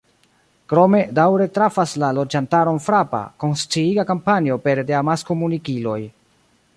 Krome daŭre trafas la loĝantaron frapa, konsciiga kampanjo pere de amaskomunikiloj.